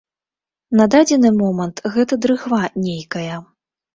На дадзены момант гэта дрыгва нейкая.